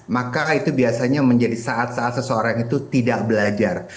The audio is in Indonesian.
maka itu biasanya menjadi saat saat seseorang itu tidak belajar